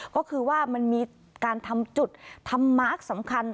ก็คือว่ามันมีการทำจุดทำมาร์คสำคัญ